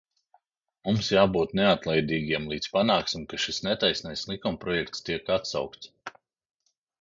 Mums jābūt neatlaidīgiem, līdz panāksim, ka šis netaisnais likumprojekts tiek atsaukts.